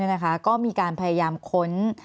แอนตาซินเยลโรคกระเพาะอาหารท้องอืดจุกเสียดแสบร้อน